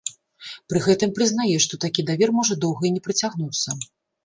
Пры гэтым прызнае, што такі давер можа доўга і не працягнуцца.